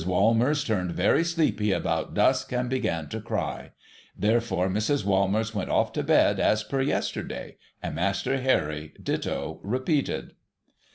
^^'almers turned very sleepy about dusk, and began to cry. Therefore, Mrs. \V'almers went off to bed as per yesterday ; and Master Harry ditto repeated.